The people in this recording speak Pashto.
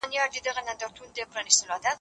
دوی چي ول لاره به خلاصه وي